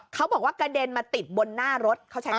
เขาบอกว่ากระเด็นมาติดบนหน้ารถ